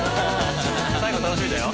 最後楽しみだよ。